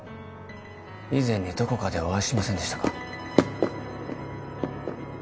以前にどこかでお会いしませんでしたか？